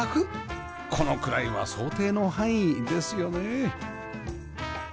このくらいは想定の範囲ですよね